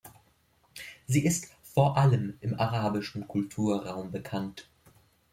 Sie ist vor allem im arabischen Kulturraum bekannt.